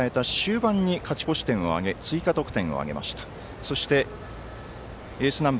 １対１で迎えた終盤に勝ち越し点を挙げて追加得点を挙げました。